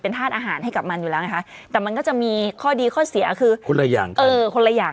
ก็ให้กับมันอยู่แล้วนะค่ะ